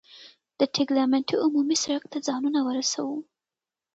د ټګلیامنتو عمومي سړک ته ځانونه ورسوو.